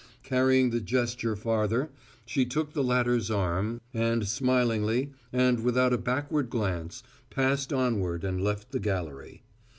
Carrying the gesture farther, she took the latter's arm, and smilingly, and without a backward glance, passed onward and left the gallery.